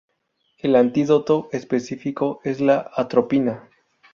El antídoto específico es la atropina.